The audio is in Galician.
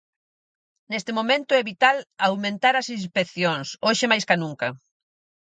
Neste momento é vital aumentar as inspeccións, hoxe máis ca nunca.